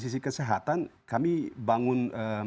sisi kesehatan kami bangun